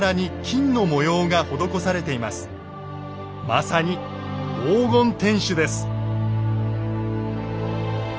まさに黄金天守です。